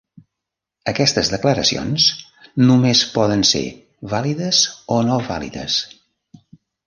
Aquestes declaracions només poden ser vàlides o no vàlides.